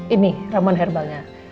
ini ramuan herbalnya